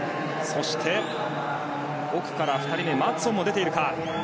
そして、奥から２人目マッツォンも出ているか。